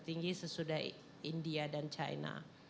jadi kita akan menemukan yang lebih besar dari india dan china